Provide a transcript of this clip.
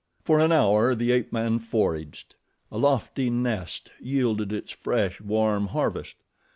For an hour the ape man foraged. A lofty nest yielded its fresh, warm harvest.